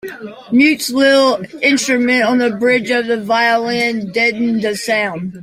Mutes little instruments on the bridge of the violin, deadening the sound.